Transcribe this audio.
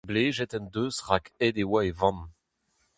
Blejet en deus rak aet e oa e vamm.